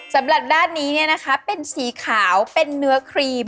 สำหรับด้านนี้เป็นสีขาวเป็นเนื้อครีม